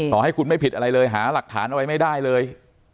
ขอให้คุณไม่ผิดอะไรเลยหาหลักฐานอะไรไม่ได้เลย